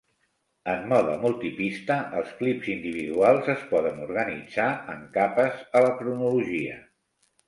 En mode multipista, els clips individuals es poden organitzar en capes a la cronologia.